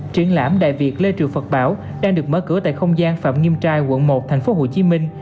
triển lãm đại việt lê trừ phật bảo đang được mở cửa tại không gian phạm nghiêm trai quận một thành phố hồ chí minh